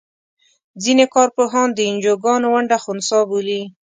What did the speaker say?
ځینې کار پوهان د انجوګانو ونډه خنثی بولي.